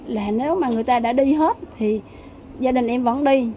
là nếu mà người ta đã đi hết thì gia đình em vẫn đi